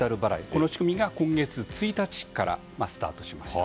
この仕組みが今月１日からスタートしました。